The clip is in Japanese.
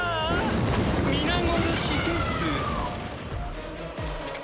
皆殺しです！